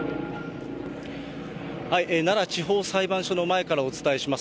奈良地方裁判所の前からお伝えします。